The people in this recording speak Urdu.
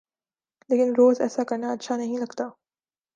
لیکن روز ایسا کرنا اچھا نہیں لگتا۔